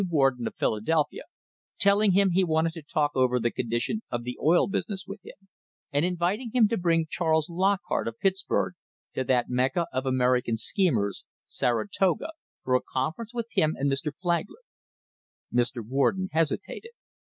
War j den, of Philadelphia, telling him he wanted to talk over; the condition of the oil business with him, and inviting him to bring Charles Lockhart, of Pittsburg, to that Mecca of American schemers, Saratoga, for a conference with him and Mr. Flagler. Mr. Warden hesitated.